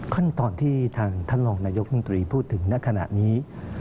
ขั้นตอนที่ทางท่านรองนายกรรมตรีพูดถึงณขณะนี้